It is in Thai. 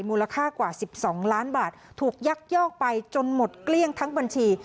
มูลค่ากว่า๑๒ล้านบาทถูกยักยอกไปจนหมดเกลี้ยงทั้งบัญชี